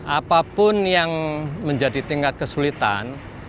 apapun yang menjadi tingkat kesulitan